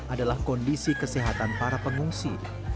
adalah kondisi kesehatan para pengungsi